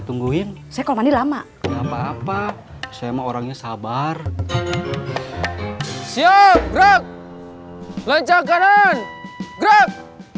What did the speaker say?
tungguin saya kalau mandi lama enggak apa apa saya mau orangnya sabar siap gerak lancar kanan gerak